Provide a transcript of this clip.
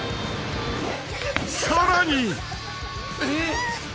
［さらに］